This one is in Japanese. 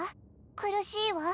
苦しいは？